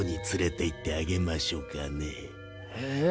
「えっ？」